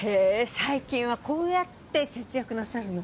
最近はこうやって節約なさるの？